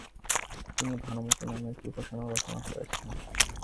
তিনি ভানুমতী নামে একটি উপন্যাসও রচনা করেছিলেন।